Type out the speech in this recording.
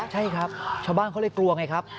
ใช่ครับชาวบ้านเขาเลยกลัวไงครับ